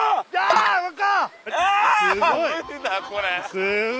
すごい。